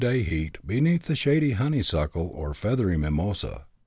day heat beneath the shady honeysuckle or feathery mimosa.